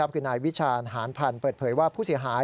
คือนายวิชาณภัลบิดเผยว่าผู้เสียหาย